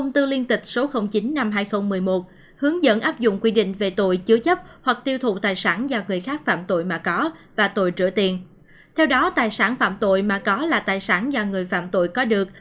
theo đó tài sản phạm tội mà có là tài sản do người phạm tội có được